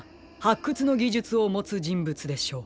くつのぎじゅつをもつじんぶつでしょう。